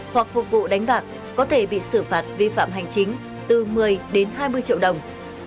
hoặc phục vụ đánh bạc có thể bị xử phạt vi phạm hành chính từ một mươi đến hai mươi triệu đồng